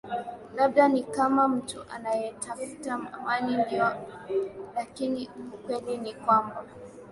labda ni kama mtu anaetafuta amani ndio lakini ukweli ni kwamba